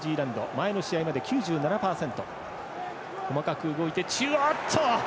前の試合まで９７％。